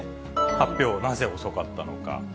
発表、なぜ遅かったのか。